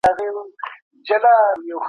پاته کسانو په ډیره سختۍ کار کاوه.